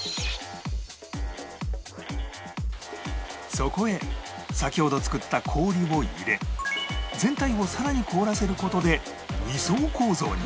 そこへ先ほど作った氷を入れ全体をさらに凍らせる事で２層構造に